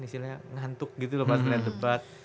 istilahnya ngantuk gitu loh pas melihat debat